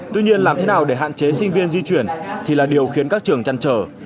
tuy nhiên làm thế nào để hạn chế sinh viên di chuyển thì là điều khiến các trường chăn trở